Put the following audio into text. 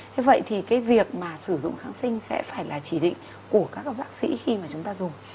thế vậy thì cái việc mà sử dụng kháng sinh sẽ phải là chỉ định của các bác sĩ khi mà chúng ta dùng